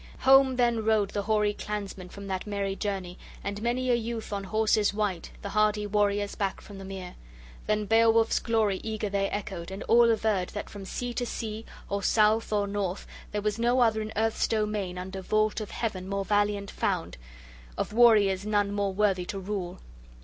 Home then rode the hoary clansmen from that merry journey, and many a youth, on horses white, the hardy warriors, back from the mere. Then Beowulf's glory eager they echoed, and all averred that from sea to sea, or south or north, there was no other in earth's domain, under vault of heaven, more valiant found, of warriors none more worthy to rule!